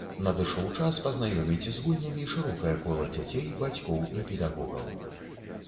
Надышоў час пазнаёміць з гульнямі шырокае кола дзяцей, бацькоў і педагогаў.